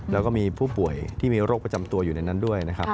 แล้วก็มีผู้ป่วยที่มีโรคประจำตัวอยู่ในนั้นด้วยนะครับ